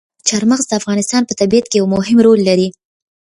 چار مغز د افغانستان په طبیعت کې یو مهم رول لري.